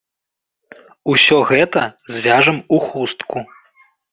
Усё гэта звяжам у хустку.